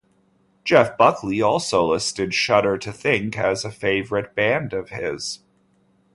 Jeff Buckley also listed Shudder to Think as a favorite band of his.